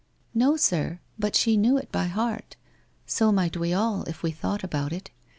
' No, sir, but she knew it by heart. So might we all, if we thought about it.